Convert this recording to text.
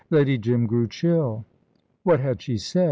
Lady Jim grew chill. What had she said?